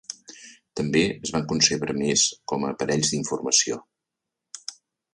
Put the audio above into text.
També es van concebre més com a aparells d'informació.